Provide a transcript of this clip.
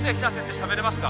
しゃべれますか？